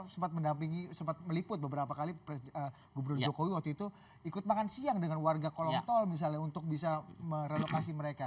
sempat mendampingi sempat meliput beberapa kali gubernur jokowi waktu itu ikut makan siang dengan warga kolong tol misalnya untuk bisa merelokasi mereka